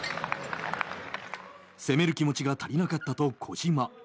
攻める気持ちが足りなかったと小島。